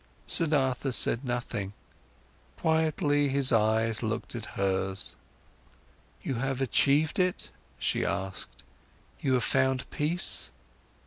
Siddhartha said nothing, quietly his eyes looked at hers. "You have achieved it?" she asked. "You have found peace?"